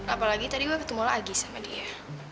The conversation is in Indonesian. apalagi tadi gue ketemu lagi sama dia